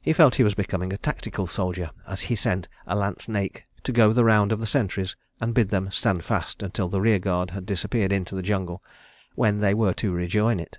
He felt he was becoming a tactical soldier as he sent a lance naik to go the round of the sentries and bid them stand fast until the rear guard had disappeared into the jungle, when they were to rejoin it.